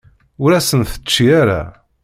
Ur as-ten-tečči ara.